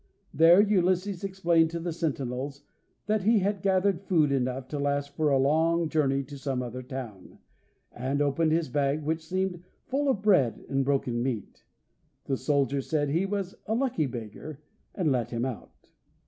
There Ulysses explained to the sentinels that he had gathered food enough to last for a long journey to some other town, and opened his bag, which seemed full of bread and broken meat. The soldiers said he was a lucky beggar, and let him out.